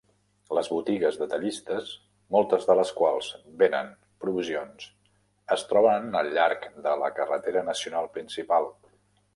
Les botigues detallistes, moltes de les quals venen provisions, es troben al llarg de la carretera nacional principal.